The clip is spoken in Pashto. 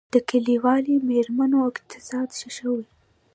د کلیوالي میرمنو اقتصاد ښه شوی؟